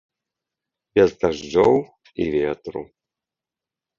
Без дажджоў і ветру.